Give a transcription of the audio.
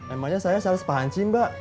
emangnya saya salah sepanci mbak